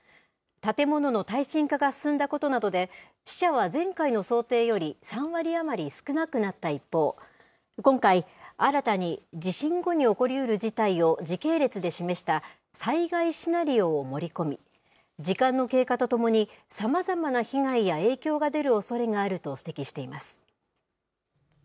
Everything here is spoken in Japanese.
建物の耐震化が進んだことなどで、死者は前回の想定より３割余り少なくなった一方、今回、新たに地震後に起こりうる事態を時系列で示した災害シナリオを盛り込み、時間の経過とともに、さまざまな被害や影響が出るおそれがあると指摘しています。